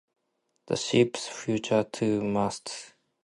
The ships feature two masts.